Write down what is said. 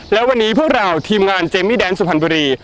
แล้ววันนี้พวกเราทีมงานเจมส์มีแดนสุภัณฑุรี